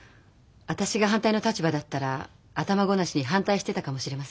私が反対の立場だったら頭ごなしに反対してたかもしれません。